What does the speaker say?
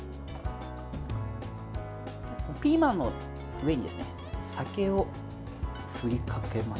ピーマンの上に酒を振りかけましょう。